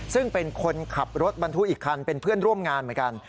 ซึ่งเป็นคนขับรถบรรทุกอีกคันเป็นเพื่อนร่วมงานเหมือนกัน